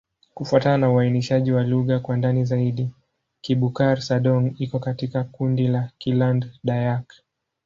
Kufuatana na uainishaji wa lugha kwa ndani zaidi, Kibukar-Sadong iko katika kundi la Kiland-Dayak.